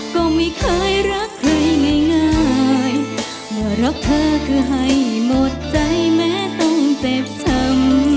ก็ไม่เคยรักใครง่ายเมื่อรักเธอคือให้หมดใจแม้ต้องเจ็บช้ำ